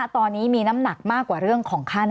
สวัสดีครับทุกคน